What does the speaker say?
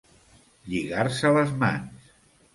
Lligar-se les mans.